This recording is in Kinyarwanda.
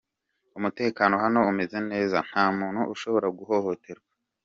Umutekano hano umeze neza, nta muntu ushobora guhohoterwa.